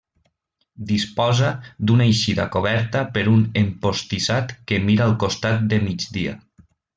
Disposa d'una eixida coberta per un empostissat que mira al costat de migdia.